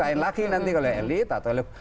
lain lagi nanti kalau elit atau elit